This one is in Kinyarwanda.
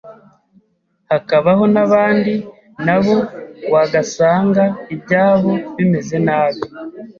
hakabaho n’abandi nabo wagasanga ibyabo bimeze nabi